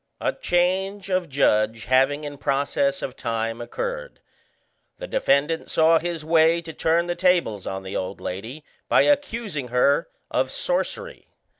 A change of judge having in process of time occurred, the defendant saw his way to turn the tables on the old lady by accusing her of sorcery.